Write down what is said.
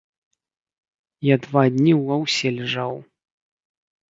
Я два дні ў аўсе ляжаў.